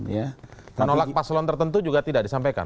menolak paslon tertentu juga tidak disampaikan